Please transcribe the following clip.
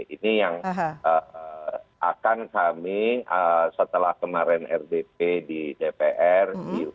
ini yang akan kami setelah kemarin rdp di dpr